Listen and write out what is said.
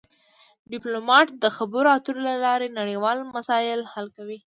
ډیپلومات د خبرو اترو له لارې نړیوال مسایل حل کوي